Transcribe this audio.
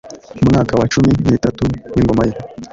mwaka wa cumi n itatu w ingoma ye